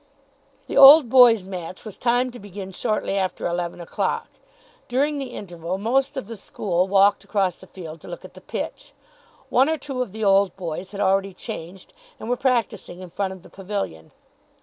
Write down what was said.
The Old Boys' match was timed to begin shortly after eleven o'clock. During the interval most of the school walked across the field to look at the pitch. One or two of the Old Boys had already changed and were practising in front of the pavilion.